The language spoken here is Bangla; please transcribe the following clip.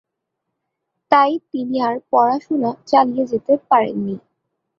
তাই তিনি আর পড়াশোনা চালিয়ে যেতে পারেননি।